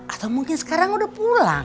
atau mungkin sekarang udah pulang